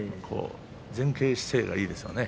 前傾姿勢がいいですよね。